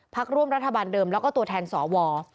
ร่วมรัฐบาลเดิมแล้วก็ตัวแทนสว